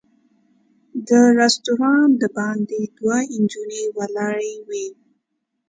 د رسټورانټ د باندې دوه نجونې ولاړې وې.